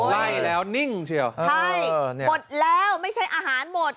ไล่แล้วนิ่งเชียวใช่หมดแล้วไม่ใช่อาหารหมด